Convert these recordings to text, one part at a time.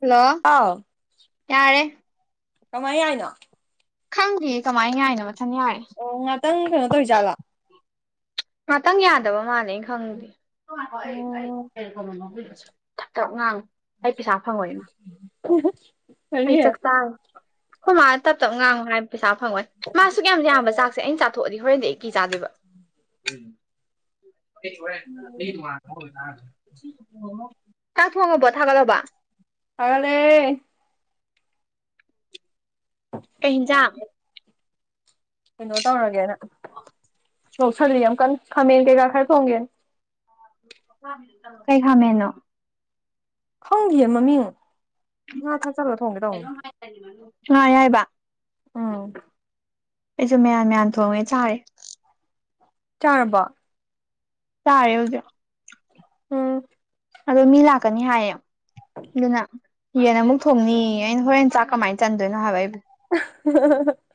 hello ꯑꯥꯎ ꯌꯥꯔꯦ ꯀꯃꯥꯏ ꯌꯥꯏꯅꯣ ꯈꯪꯗꯦ ꯀꯃꯥꯏꯅ ꯌꯥꯏꯅꯣ ꯃꯥꯊꯟ ꯌꯥꯏꯔꯦ ꯈꯤꯇꯪ ꯀꯩꯅꯣ ꯇꯧꯔꯤꯖꯥꯠꯂꯣ ꯉꯥꯇꯪ ꯌꯥꯗꯕ ꯃꯥꯜꯂꯦ ꯈꯪꯗꯦ ꯎꯝ ꯆꯞꯉꯥꯡ ꯑꯩ ꯄꯩꯁꯥ ꯐꯪꯉꯣꯏꯅ ꯑꯩ ꯀꯔꯤ ꯆꯥꯛꯆꯥꯥ ꯈꯣꯏ ꯃꯥꯅ ꯇꯞ ꯇꯞ ꯉꯥꯡꯉꯣ ꯍꯥꯏꯕ ꯄꯩꯁꯥ ꯐꯪꯉꯣꯏ ꯃꯥꯁꯨ ꯀꯌꯥꯝ ꯌꯥꯝꯕ ꯆꯥꯛꯁꯦ ꯑꯩꯅ ꯆꯥꯊꯣꯛꯑꯗꯤ ꯍꯣꯔꯦꯟꯗꯤ ꯑꯩ ꯀꯤ ꯆꯥꯗꯣꯏꯕ [unintelligible] ꯆꯥꯛ ꯊꯣꯡꯉꯥꯕꯣ ꯊꯥꯒꯠꯂꯥꯕꯣ ꯊꯥꯒꯠꯂꯦ ꯀꯩ ꯍꯤꯟꯖꯥꯡ ꯀꯩꯅꯣ ꯇꯧꯔꯒꯦꯅ ꯂꯧꯁꯟꯂꯤ ꯌꯥꯝ ꯀꯟꯅꯥ ꯈꯥꯃꯦꯟ ꯀꯩꯀꯥ ꯈꯔ ꯊꯣꯡꯉꯥꯒꯦꯅ ꯀꯩ ꯈꯥꯃꯦꯟꯅꯣ ꯈꯪꯗꯤꯌꯦ ꯃꯥꯃꯤꯡ ꯉꯥ ꯊꯥꯛꯆꯜꯂꯒ ꯊꯣꯡꯒꯦ ꯇꯧꯕꯅꯦ ꯉꯥ ꯑꯌꯥꯏꯕ ꯎꯝ ꯑꯩꯖꯨ ꯃꯌꯥꯟ ꯃꯌꯥꯟ ꯊꯣꯡꯉꯦ ꯆꯥꯔꯦ ꯆꯥꯔꯕꯣ ꯆꯥꯔꯤ ꯍꯧꯖꯤꯛ ꯎꯝ ꯑꯗꯣ ꯃꯤ ꯂꯥꯛꯀꯅꯤ ꯍꯥꯏꯌꯦ ꯑꯗꯨꯅ ꯌꯦꯟ ꯑꯃꯨꯛ ꯊꯣꯡꯅꯤꯌꯦ ꯑꯩꯅ ꯍꯣꯔꯦꯟ ꯆꯥꯛ ꯀꯃꯥꯏꯅ ꯆꯟꯗꯣꯏꯅꯣ ꯍꯥꯏꯕ ꯑꯩꯅꯥ [unintelligible]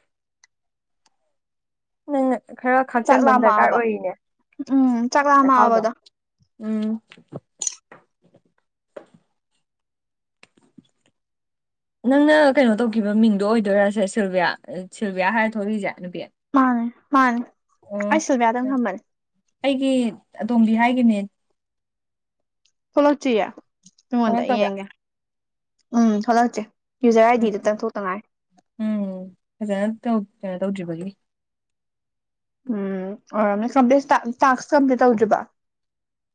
ꯅꯪꯅ ꯈꯔ ꯆꯥꯛ ꯈꯥꯛꯆꯟꯕ ꯑꯃ ꯗꯔꯀꯥꯔ ꯂꯥꯝꯃꯛꯑꯕ ꯑꯣꯏꯔꯤꯅꯦ ꯎꯝ ꯆꯥꯛ ꯆꯈꯥꯎꯗꯣ ꯂꯥꯝꯃꯛꯑꯕꯗꯣ ꯎꯝ ꯅꯪꯅ ꯀꯩꯅꯣ ꯇꯧꯈꯤꯕ ꯃꯤꯡꯗꯣ ꯑꯣꯏꯗꯣꯏꯔꯁꯦ ꯁꯤꯜꯚꯤꯌꯥ ꯁꯤꯜꯚꯤꯌꯥ ꯍꯥꯏꯔ ꯊꯣꯛꯂꯤꯏꯁꯦ ꯅꯨꯄꯤ ꯃꯥꯅꯦ ꯃꯥꯅꯦ ꯎꯝ ꯑꯩ ꯁꯤꯜꯕꯤꯌꯥ ꯇꯧ ꯊꯝꯕꯥꯅꯦ ꯑꯩꯒꯤ ꯑꯇꯣꯝꯕꯤ ꯍꯥꯏꯒꯤꯕꯥꯅꯦ ꯊꯣꯛꯂꯛꯇꯔ꯭ꯤꯌꯦ ꯑꯩꯉꯣꯟꯗꯥ ꯊꯣꯛꯂꯛꯇꯕ꯭ꯔꯥ ꯌꯦꯡꯒꯦ ꯎꯝ ꯊꯣꯛꯂꯛꯇꯔꯤ ꯌꯨꯖꯔ ꯑꯥꯏ ꯎꯝ ꯗꯤꯗꯨꯇꯪ ꯊꯣꯛꯇꯥ ꯉꯥꯏꯔꯤ ꯎꯝ ꯐꯖꯅ ꯇꯧ ꯀꯩꯅꯣ ꯇꯧꯗ꯭ꯔꯤꯕꯒꯤꯅꯤ ꯎꯝ ꯑꯣꯏꯔꯝꯅꯤ [unintelligible] ꯇꯥꯛꯁꯀꯥ ꯑꯝꯇꯥ ꯇꯧ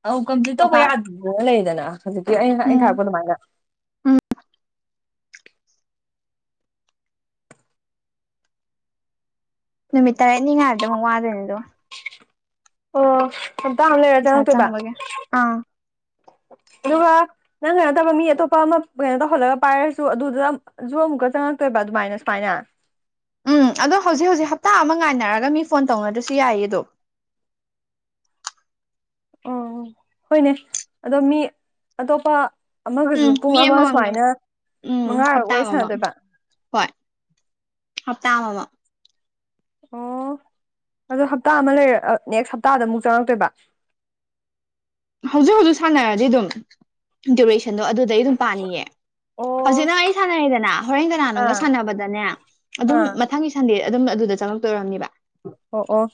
ꯑꯧ ꯀꯝꯄ꯭ꯂꯤꯠ ꯇꯧꯕ ꯌꯥꯗꯦꯅ ꯂꯩꯗꯅ ꯍꯧꯖꯤꯛꯀꯤ ꯑꯩꯅ ꯑꯩꯅ ꯎꯝ ꯊꯥꯔꯛꯄ ꯑꯗꯨꯃꯥꯏꯅ ꯅꯨꯃꯤꯠ ꯇꯔꯦꯠꯅꯤ ꯉꯥꯏꯕꯗ ꯑꯃꯨꯛ ꯋꯥꯗꯣꯏꯅꯤꯗꯣ ꯑꯣ ꯍꯥꯞꯇꯥ ꯑꯃꯥ ꯂꯩꯔ ꯄꯩꯁꯥ ꯆꯪꯉꯛꯇꯣꯏꯕ ꯆꯪꯕꯒꯤ ꯑꯥ ꯑꯗꯨꯒ ꯅꯪ ꯀꯩꯅꯣꯇꯧꯕ ꯃꯤ ꯑꯇꯣꯞꯄ ꯑꯃ ꯀꯩꯅꯣ ꯇꯧꯍꯜꯂꯒ ꯄꯥꯏꯔꯁꯨ ꯑꯗꯨꯗ ꯖꯨ ꯑꯃꯨꯛꯀꯥ ꯆꯪꯉꯛꯇꯣꯏꯕ ꯑꯗꯨꯃꯥꯏꯅ ꯁꯨꯃꯥꯏꯅ ꯎꯝ ꯑꯗꯣ ꯍꯧꯖꯤꯛ ꯍꯧꯖꯤꯛ ꯍꯞꯇꯥ ꯑꯃ ꯉꯥꯏꯅꯔꯒ ꯃꯤ ꯐꯣꯟ ꯇꯧꯅ꯭ꯗꯔꯁꯨ ꯌꯥꯏꯌꯦ ꯑꯗꯣ ꯑꯣ ꯍꯣꯏꯅꯦ ꯑꯗꯣ ꯃꯤ ꯑꯇꯣꯞꯄ ꯑꯃꯒꯁꯨ ꯎꯝ ꯄꯨꯡ ꯃꯤ ꯑꯃ ꯑꯃꯃꯝ ꯁꯨꯃꯥꯏꯅ ꯎꯝ ꯃꯉꯥꯔꯛ ꯍꯞꯇꯥ ꯋꯥꯔꯤ ꯑꯃꯃꯝ ꯁꯥꯟꯅꯗꯣꯏꯕ ꯍꯣꯏ ꯍꯞꯇꯥ ꯑꯃꯥꯃꯝ ꯑꯣ ꯑꯗꯣ ꯍꯞꯇꯥ ꯑꯃ ꯂꯩꯔ ꯅꯦꯛꯁ ꯍꯞꯇꯥꯗ ꯑꯃꯨꯛ ꯆꯪꯉꯛꯇꯣꯏꯕ ꯍꯧꯖꯤꯛ ꯍꯧꯖꯤꯛ ꯁꯥꯟꯅꯔꯗꯤ ꯑꯗꯨꯝ ꯗ꯭ꯨꯔꯦꯁꯟꯗꯣ ꯑꯗꯨꯗꯩ ꯑꯗꯨꯝ ꯄꯥꯅꯤꯌꯦ ꯑꯣ ꯍꯧꯖꯤꯛ ꯅꯪ ꯑꯩ ꯁꯥꯟꯅꯔꯩꯗꯅ ꯍꯣꯔꯦꯟ ꯀꯅꯥꯅꯣꯝꯒ ꯑꯥ ꯁꯥꯟꯅꯕꯗꯅꯦ ꯑꯗꯨꯝ ꯑꯥ ꯃꯊꯪꯒꯤ ꯁꯟꯗꯦ ꯑꯗꯨꯝ ꯑꯗꯨꯗ ꯆꯪꯉꯛꯇꯣꯏ ꯑꯣꯏꯔꯝꯅꯦꯕ ꯑꯣ ꯑꯣ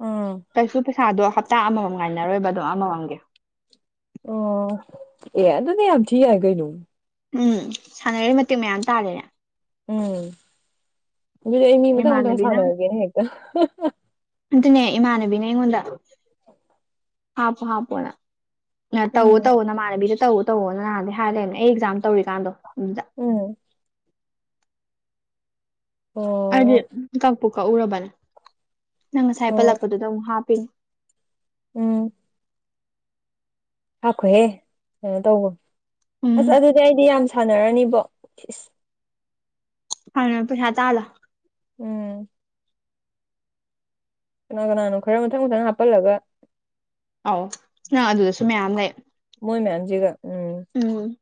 ꯎꯝ ꯀꯩꯁꯨ ꯄꯩꯁꯥꯗꯣ ꯍꯞꯇꯥ ꯑꯃꯥꯃꯝ ꯉꯥꯏꯅꯔꯣꯏꯕ ꯑꯗꯨꯝ ꯑꯃꯃꯥꯝꯒꯤ ꯑꯣ ꯑꯦ ꯑꯗꯨꯗꯤ ꯌꯥꯝ ꯊꯤ ꯌꯥꯏ ꯀꯩꯅꯣ ꯎꯝ ꯁꯥꯟꯅꯔꯤ ꯃꯇꯤꯛ ꯃꯌꯥꯝ ꯇꯥꯂꯤꯅꯦ ꯎꯝ ꯑꯗꯨꯗꯤ ꯑꯩ ꯃꯤ ꯃꯊꯪ ꯃꯊꯪ ꯏꯃꯥꯟꯅꯕꯤꯅ ꯁꯥꯟꯅꯔꯒꯦꯅꯦ ꯍꯦꯛꯇ ꯑꯗꯨꯅꯦ ꯏꯃꯥꯟꯅꯕꯤꯅ ꯑꯩꯉꯣꯟꯗ [inaudible] ꯍꯥꯄꯣ ꯍꯥꯄꯣ ꯅ ꯇꯧ ꯎꯝ ꯇꯧ ꯅꯃꯥꯅꯕꯤꯁꯨ ꯇꯧ ꯇꯧꯋꯣꯅ ꯅꯥꯍꯟꯗꯩ ꯍꯥꯏꯔ ꯂꯩꯕꯅꯦ ꯑꯩ ꯑꯦꯛꯖꯥꯝ ꯇꯧꯔꯤꯀꯥꯟꯗꯣ ꯑꯗꯨꯗ ꯎꯝ ꯑꯩꯗꯤ ꯑꯣ ꯀꯛꯄꯨ ꯀꯛꯎꯔꯕꯅꯦ ꯅꯪ ꯉꯁꯥꯏ ꯑꯣ ꯄꯜꯂꯛꯄꯗꯨꯗ ꯑꯃꯨꯛ ꯍꯥꯞꯄꯤꯅꯦ ꯎꯝ ꯍꯥꯈꯣꯍꯦ ꯀꯩꯅꯣ ꯇꯧꯕ ꯎꯝ ꯑꯁ ꯑꯗꯨꯗꯤ ꯑꯩꯗꯤ ꯌꯥꯝ ꯁꯥꯟꯅꯔꯅꯤꯕꯣ ꯏꯁ ꯍꯜ ꯄꯨ ꯍꯥ ꯇ ꯑꯂ ꯎꯝ ꯀꯅꯥ ꯀꯅꯥꯅꯣ ꯈꯔ ꯃꯊꯪ ꯃꯊꯪ ꯍꯥꯞꯄꯜꯂꯒ ꯑꯧ ꯅꯪ ꯑꯗꯨꯗꯁꯨ ꯃꯌꯥꯝ ꯂꯩ ꯃꯣꯏ ꯃꯌꯥꯝꯖꯤꯒ ꯎ ꯎꯝ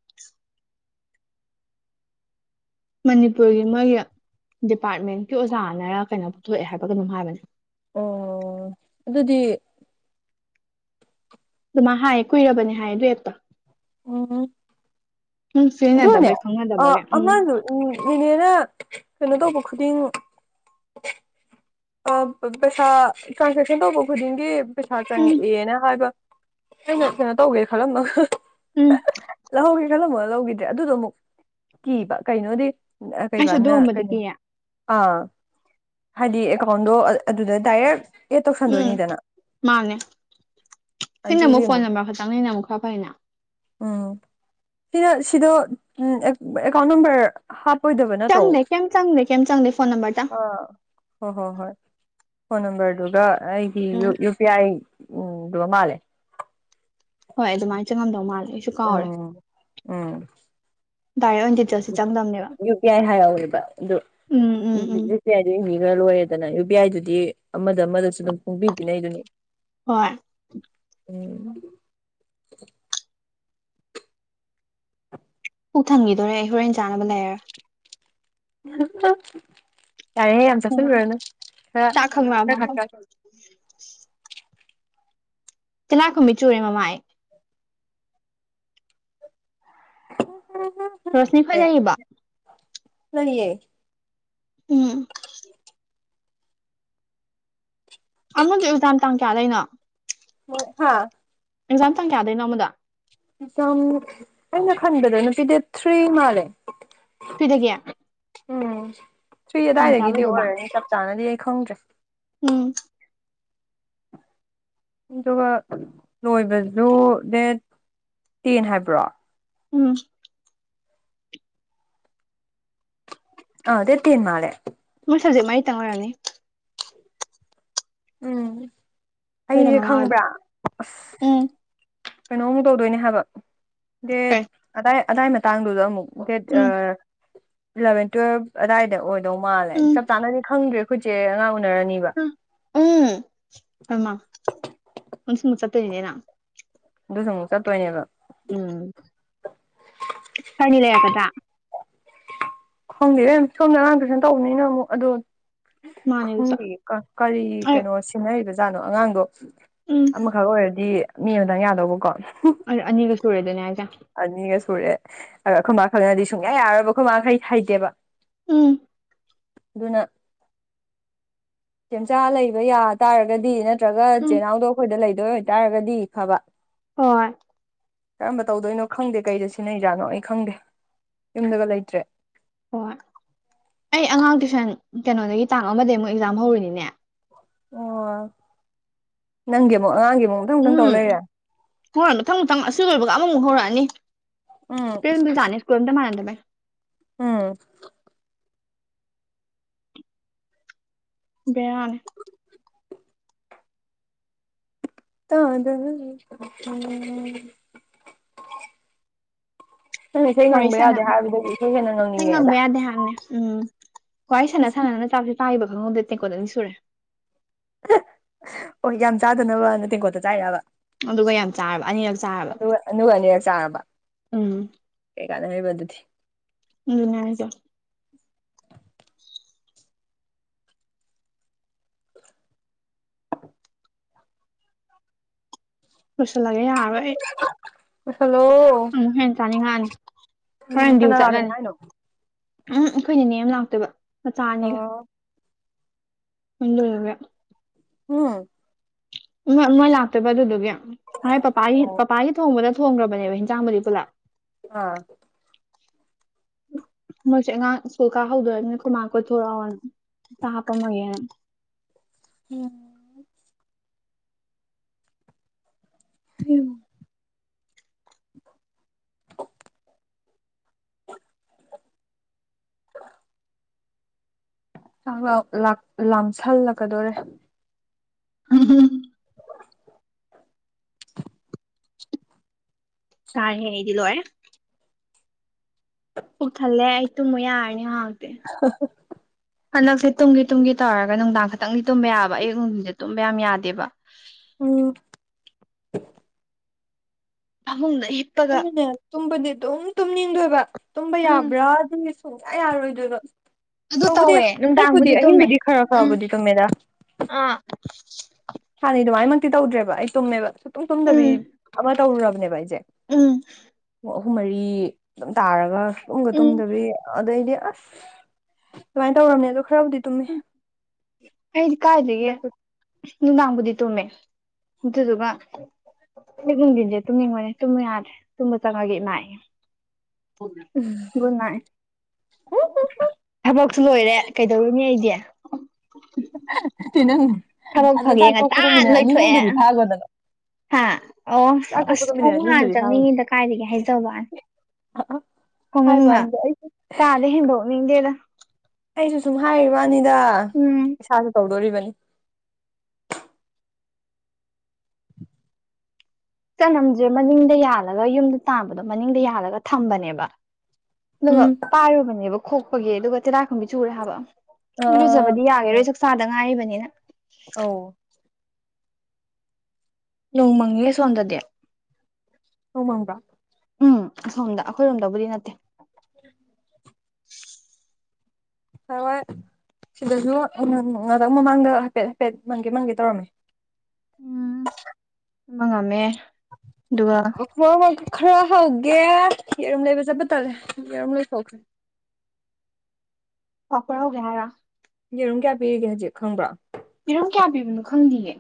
ꯃꯅꯤꯄꯨꯔꯒꯤ ꯃꯣꯏꯒꯤ ꯗꯤꯄꯥꯔꯠꯃꯦꯟꯀꯤ ꯑꯣꯖꯥꯅꯔ ꯀꯩꯅꯣ ꯄꯨꯊꯣꯛꯑꯦ ꯍꯥꯏꯕꯒ ꯑꯗꯨꯝ ꯍꯥꯏꯕꯅꯦ ꯑꯣ ꯑꯗꯨꯗꯤ ꯑꯗꯨꯃꯥꯏ ꯍꯥꯏ ꯀꯨꯏꯔꯕꯅꯤ ꯍꯥꯏꯌꯦ ꯑꯗꯨꯦꯛꯇꯣ ꯑꯣ ꯎꯝ ꯑꯗꯨꯣꯅꯦ ꯁꯤꯖꯤꯟꯅꯗꯕꯩ ꯑ ꯈꯪꯅꯗꯕꯒꯤ ꯎꯝ ꯑꯉꯥꯡꯅ ꯎ ꯏꯅꯦꯅ ꯀꯩꯅꯣ ꯇꯧꯕ ꯈꯨꯗꯤꯡꯣ ꯄꯩꯁꯥ ꯇ꯭ꯔꯥꯟꯁꯦꯛꯁꯟ ꯇꯧꯕ ꯈꯨꯗꯤꯡꯒꯤ ꯄꯩꯁꯥ ꯎꯝ ꯆꯪꯉꯛꯑꯦꯅ ꯍꯥꯏꯕ ꯑꯩꯅ ꯀꯩꯅꯣ ꯇꯧꯒꯦ ꯈꯜꯂꯝꯗ ꯎꯝ ꯂꯧꯍꯧꯒꯦ ꯈꯜꯂꯝꯃꯣꯒ ꯂꯧꯈꯤꯗ꯭ꯔꯦ ꯑꯗꯨꯗꯣ ꯑꯃꯨꯛ ꯀꯤꯕ ꯀꯩꯅꯣꯗꯤ ꯑꯩꯁꯨ ꯀꯩꯕꯥꯅ ꯑꯗꯨꯒꯨꯝꯕꯗꯤ ꯀꯩꯅꯣ ꯀꯤꯌꯦ ꯑꯥ ꯍꯥꯏꯗꯤ ꯑꯦꯀꯥꯎꯟꯗꯣ ꯑꯗꯨꯗ ꯗꯥꯏꯔꯦꯛ ꯑꯦꯗ ꯎꯝ ꯇꯧꯁꯟꯗꯣꯏꯅꯤꯗꯅ ꯃꯥꯅꯦ ꯁꯤꯅ ꯑꯃꯨꯛ ꯐꯣꯟ ꯅꯝꯕꯔ ꯈꯛꯇꯪꯅꯤꯅꯦ ꯑꯃꯨꯛ ꯈꯔ ꯐꯩꯅꯦ ꯎꯝ ꯁꯤꯅ ꯁꯤꯗꯣ ꯑꯦꯀꯥꯎꯟ ꯅꯝꯕꯔ ꯍꯥꯞꯄꯣꯏꯗꯕ ꯅꯠꯇ꯭ꯔꯣ ꯆꯪꯗꯦ ꯀꯩꯝ ꯆꯪꯗꯦ ꯀꯩꯝ ꯆꯪꯗꯦ ꯐꯣꯟ ꯅꯝꯕꯔꯇꯪ ꯑꯥ ꯍꯣꯏ ꯍꯣꯏ ꯍꯣꯏ ꯐꯣꯟ ꯅꯝꯕꯔꯗꯨꯒ ꯑꯩꯒꯤ ꯎꯝ ꯄꯤꯌꯥꯏ ꯎꯝ ꯑꯗꯨꯒ ꯃꯥꯜꯂꯦ ꯍꯣꯏ ꯑꯗꯨꯃꯥꯏꯅ ꯆꯪꯉꯝꯗꯧ ꯃꯥꯜꯂꯦ ꯑꯩꯁꯨ ꯀꯥꯎꯔꯦ ꯎꯝ ꯎꯝ ꯗꯥꯔ ꯌꯨ ꯄꯤ ꯑꯥꯏ ꯍꯥꯏꯔꯧꯋꯦꯕ ꯑꯗꯨ ꯎꯝ ꯎ ꯌ ꯄꯤ ꯑꯥꯏꯗꯨ ꯏꯡꯕꯤꯈ꯭ꯔ ꯂꯣꯏꯔꯦꯗꯅ ꯌꯨ ꯄꯤ ꯑꯥꯏꯗꯨꯗꯤ ꯑꯃꯗ ꯑꯃꯗꯁꯨ ꯑꯗꯨꯝ ꯐꯣꯡꯕꯤꯅꯩꯗꯨꯅꯤ ꯍꯣꯏ ꯎ ꯎ ꯊꯪꯈꯤꯗꯣꯔꯦ ꯑꯩ ꯍꯣꯔꯦꯟ ꯆꯥꯅꯕ ꯂꯩꯔꯥ ꯌꯥꯔꯦ ꯌꯥꯝ ꯆꯁ ꯂꯩꯔꯒ ꯔꯅ ꯈꯔ ꯆꯥꯛ ꯈꯪꯂꯛꯑꯕ ꯈ ꯃꯐꯝ ꯈ ꯇꯤꯅꯥꯥꯛꯀꯨꯝꯃꯤ ꯆꯨꯔꯦ ꯃꯃꯥꯏ ꯎꯝ ꯔꯁꯃꯤ ꯈꯣꯏ ꯌꯥꯅꯤꯡꯕ ꯅꯌꯦ ꯎꯝ ꯑꯃꯗꯨ ꯑꯦꯛꯖꯥꯝ ꯇꯥꯡ ꯀꯌꯥ ꯂꯩꯅꯣ ꯍꯥ ꯑꯦꯛꯖꯥꯝ ꯇꯥꯡ ꯀꯌꯥꯗꯣꯏꯅꯣ ꯑꯃꯃꯗ ꯝ ꯑꯩꯅ ꯈꯟꯕꯗ ꯅꯨꯄꯤ ꯗꯦ ꯊ꯭ꯔꯤ ꯃꯥꯜꯂꯦ ꯐꯤꯗꯒꯌꯥ ꯎꯝ ꯁꯨꯏ ꯀꯌꯥ ꯑꯋꯥꯏꯗꯒꯤꯗꯤ ꯂꯩꯗꯣꯏꯕ ꯑꯣꯏꯔꯅꯤ ꯆꯞ ꯆꯥꯅꯗꯤ ꯑꯩ ꯈꯪꯗ꯭ꯔꯦ ꯎꯝ ꯑꯗꯨꯒ ꯂꯣꯏꯕꯗꯨ ꯗꯦꯠ ꯇꯦꯟ ꯍꯥꯏꯕ꯭ꯔꯣ ꯎꯝ ꯑ ꯑꯗꯨꯦꯇꯤ ꯅꯅꯥꯂꯦ ꯃꯣꯏꯁ ꯍꯧꯖꯤꯛ ꯃꯔꯤ ꯇꯪꯅꯔꯑꯅꯤ ꯎꯝ ꯑꯩꯁꯦ ꯍꯔꯃꯂ ꯈꯪꯕ꯭ꯔꯥ ꯀꯩꯅꯣꯃꯨꯛ ꯇꯧꯗꯣꯏꯅꯦ ꯍꯥꯏꯕ ꯗꯦ ꯀꯩ ꯑꯗꯥꯏ ꯑꯗꯥꯏ ꯃꯇꯥꯡꯗꯨꯗ ꯑꯃꯨꯛ ꯗꯦꯠ ꯎꯝ ꯏꯂꯚꯦꯟ ꯇꯨꯋꯦꯜꯕ ꯑꯗꯥꯏꯗ ꯑꯣꯏꯗꯧ ꯃꯥꯜꯂꯦ ꯎꯝ ꯆꯞ ꯆꯥꯅꯗꯤ ꯈꯪꯗ꯭ꯔꯦ ꯑꯩꯈꯣꯏꯠꯁꯦ ꯑꯉꯥꯡ ꯎꯅꯔꯅꯤꯕ ꯎꯝ ꯑꯃ ꯎꯟꯁꯨ ꯃꯨꯁꯠꯇꯗꯦꯅꯥ ꯑꯗꯨꯁꯨꯨꯛ ꯆꯠꯇꯣꯏꯅꯦꯕ ꯎꯝ ꯀꯔꯤ ꯂꯩ ꯀꯗ ꯈꯣꯡꯗꯦꯔꯦ ꯁꯣꯝꯗ ꯑꯉꯥꯡꯗꯨ ꯁꯅ ꯇꯧꯕꯅꯤꯅ ꯑꯃꯨꯛ ꯑꯗꯣ ꯃꯥꯅꯦ ꯑꯗꯨꯁꯨ ꯈꯪꯒꯤ ꯀꯔꯤ ꯑꯩ ꯀꯩꯅꯣ ꯁꯤꯁꯤꯡꯟꯅꯔꯤꯕ ꯖꯥꯠꯅꯣ ꯑꯉꯥꯡꯗꯣ ꯎꯝ ꯑꯃ ꯈꯛ ꯑꯣꯏꯔꯗꯤ ꯃꯤ ꯑꯃꯗꯪ ꯌꯥꯗꯧꯕꯀꯣ ꯑꯅꯤꯒ ꯁꯨꯔꯦꯗꯅꯦ ꯍꯥꯏꯁꯦ ꯑꯅꯤꯒ ꯁꯨꯔꯦ ꯑ ꯑꯩꯈꯣꯏꯃꯥꯈꯜꯅꯗꯤ ꯁꯨꯡꯌꯥ ꯌꯥꯔꯕ ꯈꯣꯏꯃꯥꯈꯩ ꯍꯩꯇꯦꯕ ꯎꯝ ꯑꯗꯨꯅ ꯁꯦꯝꯦꯟꯆꯥ ꯂꯩꯕ ꯌꯥ ꯇꯥꯔꯒꯗꯤ ꯅꯠꯇ꯭ꯔꯒ ꯎꯝ ꯆꯦꯡꯅꯥꯎꯗꯣ ꯑꯩꯈꯣꯏꯗ ꯂꯩꯗꯣꯏ ꯑꯣꯏꯇꯥꯔꯒꯗꯤ ꯐꯕ ꯍꯣꯏ ꯀꯔꯝꯕ ꯇꯧꯗꯣꯏꯅꯣ ꯈꯪꯗꯦ ꯀꯩꯗ ꯁꯤꯖꯤꯟꯅꯩꯖꯥꯠꯅꯣ ꯑꯩ ꯈꯪꯗꯦ ꯌꯨꯝꯗꯒ ꯂꯩꯇ꯭ꯔꯦ ꯍꯣꯏ ꯑꯩ ꯑꯉꯥꯡ ꯇꯨꯏꯁꯟ ꯀꯩꯅꯣꯗꯒꯤ ꯇꯥꯡ ꯑꯃꯗꯒꯤꯩ ꯑꯃꯨꯛ ꯑꯦꯛꯖꯥꯝ ꯍꯧꯔꯤꯅꯤꯅꯦ ꯑꯣ ꯅꯪꯦ ꯃ ꯅꯦ ꯃ ꯎꯝ ꯍꯧꯔ ꯃꯊꯪ ꯃꯊꯪ ꯑ ꯂꯣꯏꯕꯒ ꯑꯃꯃꯨꯛ ꯍꯧꯔꯛꯑꯅꯤ ꯎꯝ ꯐꯖꯅꯤꯁꯀꯨꯟꯗ ꯃꯥꯅꯗ ꯃ ꯎꯝ ꯕꯅꯦ ꯇꯥꯗ ꯅꯪ ꯏꯁꯩ ꯋꯥꯔꯤ ꯉꯪꯕ ꯌꯥꯗꯦ ꯍꯥꯏꯕꯗꯨꯗꯤ ꯏꯁꯩ ꯍꯦꯟꯅ ꯉꯪꯅꯤꯡꯉꯦꯗ ꯑꯗꯦ ꯍꯥꯟꯅꯦ ꯎꯝ ꯍꯣꯏꯍ ꯁꯥꯟꯅ ꯁꯥꯟꯅꯅ ꯆꯥꯛꯁꯦ ꯇꯥꯕ ꯈꯪꯍꯧꯗꯦ ꯅꯦꯀꯣꯗꯅꯤ ꯁꯨꯔꯦ ꯍ ꯌꯥꯝ ꯆꯥꯗꯅꯕ ꯅ ꯇꯦꯡꯀꯣꯠꯇ ꯆꯥꯏꯔꯕ ꯑꯗꯨꯒ ꯌꯥꯝ ꯆꯥꯔꯕ ꯑꯅꯤꯔꯛ ꯆꯥꯔꯕ ꯑꯗꯨꯒ ꯑꯗꯨꯒ ꯎꯝ ꯀꯩꯀꯥꯟꯦꯅꯃꯤꯕꯗꯨ ꯊꯤ ꯎꯝꯅꯅꯨꯡꯉꯥꯏꯗ ꯂꯣꯏꯁꯤꯜꯂꯒꯦ ꯌꯥꯔꯣꯏ ꯑꯩ ꯍꯜꯂꯣ ꯍꯦꯟꯅ ꯆꯥꯅꯤꯡꯉꯛꯑꯅꯤ ꯀꯅꯥ ꯈꯔꯦꯟꯗꯤꯨ ꯂꯥꯛꯀꯅꯤ ꯆꯠꯂꯅꯤ ꯍꯥꯏꯅꯣ ꯎꯝ ꯑꯩꯈꯣꯏꯅꯤꯅꯦ ꯌꯥꯝ ꯂꯥꯛꯇꯣꯏꯕ ꯃꯆꯥ ꯑꯅꯤꯒ ꯑꯣ ꯃ ꯂꯩꯒ ꯍꯝ ꯃꯣꯏ ꯂꯥꯛꯇꯣꯏꯕ ꯑꯗꯨꯗꯨꯒꯤ ꯍꯥꯏꯥꯏ ꯄꯄꯥꯒꯤ ꯄꯄꯥꯒꯤ ꯊꯣꯡꯕꯗ ꯊꯣꯡꯈ꯭ꯔꯕꯅꯦꯕ ꯍꯟꯖꯥꯡꯕꯨꯗꯤ ꯄꯨꯂꯞ ꯑꯥ [unintelligible] ꯃꯣꯏꯁꯦ ꯑꯉꯥꯡ ꯁꯀꯨꯜ ꯀꯥꯍꯧꯗꯣꯏꯅꯤꯅ ꯀꯃꯥꯛ ꯀꯣꯏꯊꯣꯔꯛꯑꯣ ꯍꯥꯞꯄꯝꯃꯣꯏꯌꯦꯦ ꯎꯝ ꯎꯝ [inaudible] [inaudible] ꯂꯥꯝꯁꯜꯂꯛꯀꯗꯣꯔꯦ ꯎꯝ ꯍꯝ ꯀꯥꯏꯗꯤꯂꯣꯑ ꯎ ꯊꯜꯂꯦ ꯍꯥꯏ ꯇꯨ ꯃꯣꯏ ꯍꯥꯏꯔꯅꯤ ꯍꯥꯎꯗꯦ [unintelligible] ꯍꯟꯗꯛꯁꯦ ꯇꯨꯝꯒꯤ ꯇꯨꯝꯒꯤ ꯇꯧꯔꯒ ꯅꯨꯡꯗꯥꯡ ꯈꯛꯇꯪꯗꯤ ꯇꯨꯝꯕ ꯌꯥꯕ ꯑꯌꯨꯛ ꯅꯨꯡꯊꯤꯟꯗꯤ ꯇꯨꯝꯕ ꯌꯥꯝ ꯌꯥꯗꯦꯕ ꯑꯣ ꯐꯃꯨꯡꯗ ꯍꯤꯞꯄꯒ ꯑꯩꯅꯅꯦ ꯇꯨꯝꯕꯗꯤ ꯑꯗꯨꯝ ꯇꯨꯝꯅꯤꯡꯗꯣꯏꯕ ꯇꯨꯝꯕ ꯎꯝ ꯌꯥꯕ꯭ꯔꯥ ꯑꯗꯨ ꯨꯡꯖ ꯌꯥꯔꯣꯏꯗꯣꯏꯗꯣ ꯑꯗꯨ ꯇꯕꯨꯗꯤ ꯇꯧꯋꯦ ꯍꯟꯗꯛꯄꯨꯗꯤ ꯅꯨꯡꯗꯥꯡꯕꯨꯗꯤ ꯇꯨꯝꯃꯦ ꯑꯍꯤꯡꯕꯨꯗꯤ ꯈꯔ ꯎꯝ ꯈꯔꯕꯨꯗꯤ ꯇꯣꯃꯦꯗꯥ ꯑꯥ ꯍꯥꯟꯅꯩ ꯑꯗꯨꯃꯥꯏꯅꯃꯛꯇꯤ ꯇꯧꯗ꯭ꯔꯦꯕ ꯑꯩ ꯇꯨꯝꯃꯦꯕ ꯁꯨꯛꯇꯨꯡ ꯇꯨꯝꯗꯕꯤ ꯎꯝ ꯑꯃ ꯇꯧꯔꯨꯔꯕꯅꯦꯕ ꯑꯩꯁꯦ ꯎꯝ ꯑꯍꯨꯝ ꯃꯔꯤ ꯑꯗꯨꯝ ꯇꯥꯔꯒ ꯇꯨꯝꯒ ꯎꯝ ꯇꯨꯝꯗꯕꯤ ꯑꯗꯩꯗꯤ ꯑꯁ ꯑꯗꯨꯨꯃꯥꯏꯅ ꯇꯧꯔꯝꯅꯦ ꯑꯗꯣ ꯈꯔꯕꯨꯗꯤ ꯇꯨꯝꯃꯦ ꯎꯝ ꯑꯩꯗꯤ ꯀꯥꯏꯗꯒꯦ ꯍꯟꯗꯛꯇꯤ ꯅꯨꯡꯗꯥꯡꯕꯨꯗꯤ ꯇꯨꯝꯃꯦ ꯑꯗꯨꯗꯨꯒ ꯑꯩ ꯅꯨꯡꯊꯟꯁꯦ ꯇꯨꯝꯅꯤꯡꯕꯅꯦ ꯇꯨꯝꯕ ꯌꯥꯗ꯭ꯔꯦ ꯇꯨꯝꯕ ꯆꯪꯉꯒꯦ ꯏꯃꯥꯛꯑꯦ ꯄꯨ ꯎꯝ ꯒꯨꯗ ꯅꯥꯏ ꯊꯕꯛꯁꯨ ꯂꯣꯏꯔꯦ ꯀꯩꯗꯧꯔꯨꯅꯤ ꯑꯩꯁꯦ ꯅꯪ ꯊꯕꯛ ꯑꯗ ꯐꯒꯦ ꯆꯥꯛꯊꯣꯛꯄꯗꯣ ꯉꯟꯇꯥꯅ ꯃꯤꯅꯠ ꯑꯅꯤ ꯂꯩꯊꯣꯛꯑꯦ ꯑꯍꯨꯝꯒꯗꯤ ꯐꯥꯒꯗꯅꯣ ꯍꯥ ꯑꯣ ꯑꯁ ꯃꯤꯅꯠ ꯑꯅꯤ ꯑꯃꯛ ꯍꯥꯟꯅ ꯑꯍꯨꯝꯗꯗꯤ ꯐꯥꯒꯣ ꯆꯪꯅꯤꯡꯉꯤꯗ ꯀꯥꯏꯗꯒꯤ ꯍꯥꯏꯖꯕꯅ ꯐꯃꯨꯡꯅ ꯍꯥꯏꯕꯋꯥꯅꯤꯗ ꯑꯩꯁꯨ ꯀꯥꯗ ꯍꯦꯟꯗꯣꯛꯅꯤꯡꯗꯦꯗ ꯑꯩꯁꯨ ꯁꯨꯝ ꯍꯥꯏꯔꯤꯕꯥꯅꯤꯗ ꯎꯝ ꯏꯁꯥꯁꯨ ꯇꯧꯗꯣꯔꯤꯕꯅꯤ ꯆꯅꯝꯁꯦ ꯃꯅꯤꯡꯗ ꯌꯥꯜꯂꯒ ꯌꯨꯝꯗ ꯇꯥꯕꯗꯣ ꯃꯅꯤꯡꯗ ꯌꯥꯜꯂꯒ ꯊꯝꯕꯅꯦꯕ ꯑꯗꯨꯒ ꯎꯝ ꯄꯥꯏꯔꯨꯕꯅꯦꯕ ꯈꯣꯛꯄꯒꯤ ꯑꯗꯨꯒ ꯇꯦꯔꯥꯛ ꯈꯨꯝꯕꯤ ꯆꯨꯔꯦ ꯍꯥꯏꯕ ꯑ ꯂꯨꯖꯕꯗꯤ ꯌꯥꯒꯦꯔꯣꯏ ꯆꯥꯛꯆꯥꯗ ꯉꯥꯏꯔꯤꯕꯅꯤꯅ ꯑꯣ ꯅꯣꯡꯃꯪꯉꯦ ꯁꯣꯟꯝꯗꯗꯤ ꯎꯃꯗ ꯎꯝ ꯑꯁꯣꯝꯗ ꯑꯩꯈꯣꯏꯔꯣꯝꯗꯕꯨꯗꯤ ꯅꯠꯇꯦ [inaudible] ꯍ ꯍꯣꯏ ꯁꯤꯗꯁꯨ ꯉꯇꯪ ꯃꯃꯥꯡꯗ ꯍꯥꯏꯐꯦꯠ ꯍꯥꯏꯐꯦꯠ ꯃꯪꯒꯦ ꯃꯪꯒꯦ ꯇꯧꯔꯝꯃꯦ ꯎꯝ ꯃ ꯉꯝꯃꯦ ꯑꯗꯨꯒ ꯑꯩꯈꯣꯏ ꯑꯃ ꯈꯔ ꯍꯧꯒꯦ ꯌꯦꯔꯨꯝ ꯂꯩꯕ ꯆꯠꯄ ꯇꯠꯂꯦ ꯌꯦꯔꯨꯝ ꯂꯩꯕ ꯍꯧꯈ꯭ꯔꯦ ꯑꯣꯄꯔ ꯦꯔ ꯌꯦꯔꯨꯝ ꯀꯌꯥ ꯄꯤꯔꯤꯒꯦ ꯍꯧꯖꯤꯛ ꯈꯪꯕ꯭ꯔꯥ ꯄꯤꯔꯝ ꯀꯌꯥ ꯄꯤꯕꯅꯣ ꯈꯪꯗꯒꯦ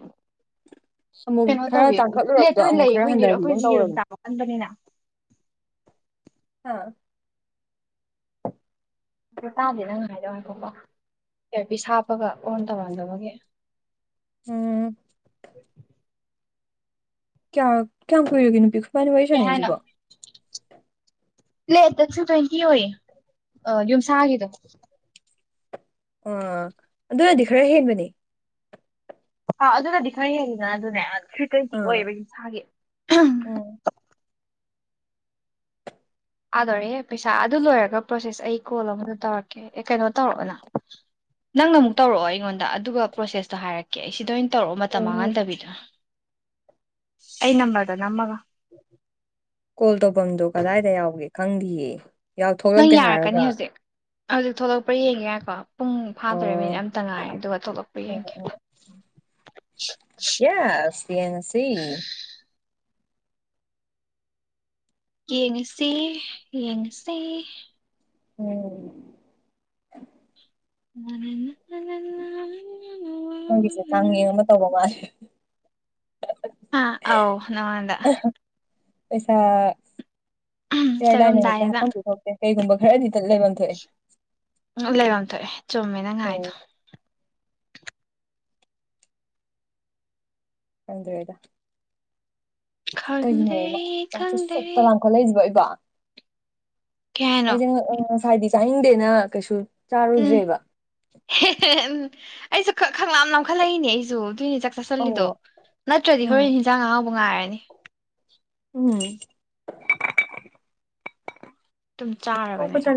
ꯑꯃꯨꯛ ꯀꯩꯅꯣ ꯈꯔ ꯇꯧꯋꯤ ꯄ꯭ꯂꯦꯠ ꯇꯥꯡꯈꯠꯂꯨꯔꯕꯗꯣ ꯑꯣꯏꯅ ꯑꯃꯨꯛ ꯂꯩ ꯑꯩꯈꯣꯏꯒꯤ ꯑꯩꯈꯣꯏꯁꯤ ꯌꯦꯔꯨꯝ ꯇꯥꯕ ꯀꯟꯕꯅꯤꯅ ꯍꯥꯥ ꯑ ꯇꯥꯗꯦ ꯅꯪ ꯉꯥꯏꯗꯧ ꯍꯥꯏꯀꯣꯀꯣ ꯀ ꯄ ꯍꯥꯞꯄꯒ ꯑꯣꯟ ꯇꯧꯔꯝꯗꯕꯒꯤ ꯎꯝ ꯀꯌꯥ ꯀꯌꯥꯝꯃ ꯀꯏꯔꯒꯦ ꯅꯨꯄꯤ ꯈꯣꯏꯕꯥꯅꯤ ꯋꯥꯔꯤ ꯀꯍꯦꯅ ꯁꯥꯟꯅꯩꯁꯤꯕꯣ ꯂ ꯇꯛꯁꯨ ꯇ꯭ꯋꯦꯟꯇꯤ ꯑꯣꯏꯌꯦ ꯌꯨꯝꯁꯥꯒꯤꯗꯣ ꯑꯣ ꯑꯗꯨꯅꯗꯤ ꯈꯔ ꯍꯦꯟꯕꯅꯤ ꯑꯥ ꯑꯗꯨꯅꯗꯤ ꯈꯔ ꯍꯦꯈꯤꯗꯅ ꯑꯗꯨꯅꯦ ꯌꯥꯝ ꯊ꯭ꯔꯤ ꯇ꯭ꯋꯦꯟꯇꯤ ꯑꯥ ꯑꯣꯏꯌꯦꯕ ꯌꯁꯥꯒꯤ ꯑꯥꯗꯣꯔꯦ ꯄꯩꯁꯥ ꯑꯗꯨ ꯂꯣꯏꯔꯒ ꯄ꯭ꯔꯣꯁꯦꯁ ꯑꯩ ꯀꯣꯜ ꯑꯃꯗ ꯇꯧꯔꯛꯀꯦ ꯑꯦ ꯀꯩꯅꯣ ꯇꯧꯔꯛꯑꯣꯅ ꯅꯪꯅ ꯑꯃꯨꯛ ꯇꯧꯔꯛꯑꯣ ꯑꯩꯉꯣꯟꯗ ꯑꯗꯨꯒ ꯄ꯭ꯔꯣꯁꯦꯁꯇꯣ ꯍꯥꯏꯔꯛꯀꯦ ꯑꯩ ꯁꯤꯗ ꯑꯣꯏꯅ ꯇꯧꯔꯛꯑꯣ ꯃꯇꯝ ꯎꯝ ꯃꯥꯡꯍꯟꯗꯕꯤꯗ ꯑꯩ ꯅꯝꯕꯔꯗ ꯅꯝꯃꯒ ꯀꯣꯜ ꯇꯧꯐꯝꯗꯨꯣ ꯀꯗꯥꯏꯗ ꯌꯥꯎꯒꯦ ꯈꯪꯗꯦꯌꯦ ꯅꯪ ꯌꯥꯔꯛꯀꯅꯤ ꯍꯧꯖꯤꯛ ꯍꯧꯖꯤꯛ ꯊꯣꯛꯂꯛꯄ꯭ꯔꯥ ꯌꯦꯡꯒꯦ ꯌꯥꯀꯣ ꯎꯝ ꯍꯞꯈꯔꯦ ꯃꯤꯅꯤꯠ ꯑꯣ ꯑꯃꯇꯥ ꯉꯥꯏ ꯑꯗꯨꯒ ꯊꯣꯛꯂꯛꯄ ꯌꯦꯡꯒꯦ ꯌꯦꯁ ꯌꯦꯡꯁꯤ ꯌꯦꯡꯉꯁꯤ ꯌꯦꯡꯉꯁꯤ ꯎꯝ ꯅ [inaudible] ꯁꯪꯒꯤꯁꯦ ꯆꯥꯡꯉꯦꯅ ꯇꯧꯕ ꯃꯥꯜꯂꯦ ꯑ ꯑꯥꯎ ꯅꯉꯥꯟ [inaudible] ꯄꯩꯁꯥ ꯏꯌꯥꯔ ꯂꯥꯏꯅ ꯍꯦꯛꯇ ꯆꯪꯉꯝꯗꯥꯏꯗꯨꯗ ꯍꯥꯐꯝꯗꯤ ꯊꯣꯛꯇꯦ ꯀꯩꯒꯨꯝꯕ ꯈꯔꯗꯤꯇ ꯂꯩꯐꯝ ꯊꯣꯛꯑꯦ ꯎ ꯂꯩꯔꯝ ꯊꯣꯛꯑꯦ ꯆꯨꯝꯃꯦ ꯅꯪ ꯍꯥꯏꯗꯣ ꯎꯝ ꯈꯪꯗꯔ꯭ꯦꯗꯥ ꯀꯩꯅ ꯈꯪꯗꯔꯦ ꯈꯪꯗꯔꯦ ꯁꯄ [inaudible] ꯈꯣꯠꯂꯁꯤꯕ ꯑꯩꯕꯣ ꯀꯩ ꯍꯥꯏꯅꯣ ꯑꯩꯁꯦ ꯉꯁꯥꯏꯗꯤ ꯆꯥꯅꯤꯡꯗꯦꯅ ꯀꯩꯁꯨ ꯎꯝ ꯆꯥꯔꯨꯗ꯭ꯔꯦꯕ ꯎꯝ ꯑꯩꯁꯨ ꯈꯪꯂꯥꯝꯅꯈꯠꯂꯛꯏꯅꯦ ꯑꯩꯁꯨ ꯑꯗꯨꯏꯅꯦ ꯆ ꯆꯥꯁꯤꯜꯂꯤꯗꯣ ꯑꯧ ꯅꯠꯇ꯭ꯔꯗꯤ ꯎꯝ ꯍꯣꯔꯦꯟ ꯍꯟꯖꯥꯡ ꯑꯉꯥꯎꯕ ꯉꯥꯏꯔꯅꯤ ꯎꯝ [inaudible] ꯑꯗꯨꯝ ꯄꯣꯛꯄ ꯆꯥꯔꯕꯅꯦ ꯇꯟ